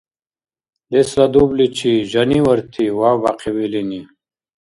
— Лесла дубличи, жаниварти! — вявбяхъиб илини.